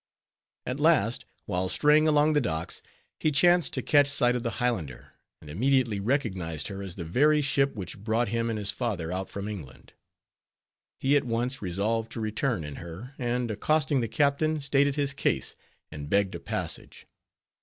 At last, while straying along the docks, he chanced to catch sight of the Highlander, and immediately recognized her as the very ship which brought him and his father out from England. He at once resolved to return in her; and, accosting the captain, stated his case, and begged a passage.